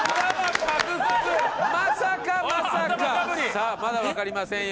さあまだわかりませんよ。